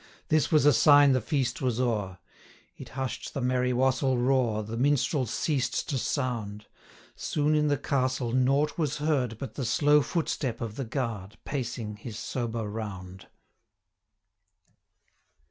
This was a sign the feast was o'er; 525 It hush'd the merry wassel roar, The minstrels ceased to sound. Soon in the castle nought was heard, But the slow footstep of the guard, Pacing his sober round.